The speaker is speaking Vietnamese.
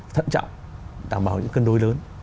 thận trọng đảm bảo những cân đối lớn